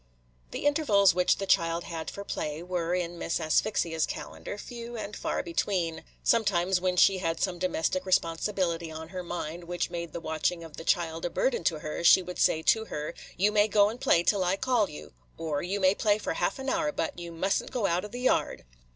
The intervals which the child had for play were, in Miss Asphyxia's calendar, few and far between. Sometimes, when she had some domestic responsibility on her mind which made the watching of the child a burden to her, she would say to her, "You may go and play till I call you," or, "You may play for half an hour; but you must n't go out of the yard."